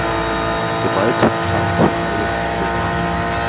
Gewalt schafft neue Probleme.